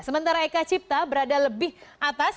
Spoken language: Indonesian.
sementara eka cipta berada lebih atas